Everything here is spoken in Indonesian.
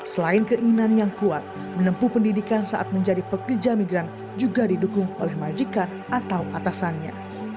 selain keinginan yang kuat menempuh pendidikan saat menjadi pekerja migran juga didukung oleh majikan atau atasannya